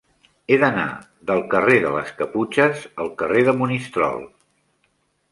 He d'anar del carrer de les Caputxes al carrer de Monistrol.